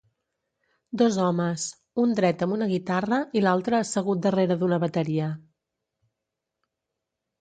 Dos homes: un dret amb una guitarra i l'altre assegut darrere d'una bateria.